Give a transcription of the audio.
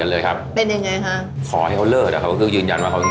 เพราะลูกเราก็ทำงานแล้วเนอะ